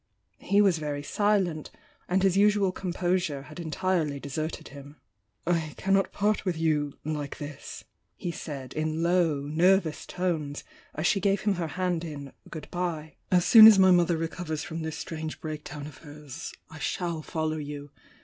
He was very silent, and his usual composure had entirely deserted him. "I cannot part with you like this," . he said, in low, nervous tones, as she gave him her hand in "good bye." "As soon as my mother recovers from this strange breakdown of hers, I shall follow you.